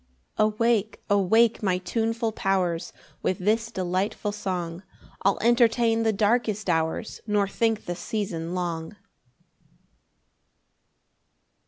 7 Awake, awake my tuneful powers; With this delightful song I'll entertain the darkest hours, Nor think the season long.